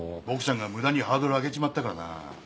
ボクちゃんが無駄にハードル上げちまったからなぁ。